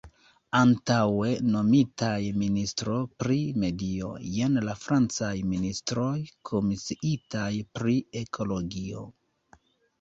Antaŭe nomitaj "ministro pri medio", jen la francaj ministroj komisiitaj pri ekologio.